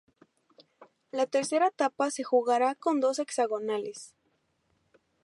La tercera etapa se jugará con dos hexagonales.